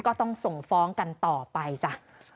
ก็ต้องส่งฟ้องกันต่อไปจ้ะ